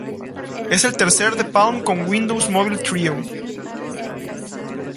Es el tercer de Palm con Windows Mobile Treo.